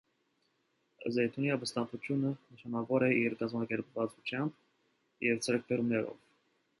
Զէյթունի ապստամբութիւնը նշանաւոր էր իր կազմակերպվածութեամբ եւ ձեռքբերումներով։